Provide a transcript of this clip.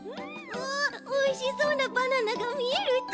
おいしそうなバナナがみえるち。